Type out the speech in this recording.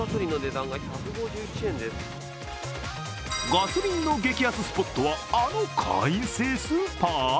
ガソリンの激安スポットはあの会員制スーパー？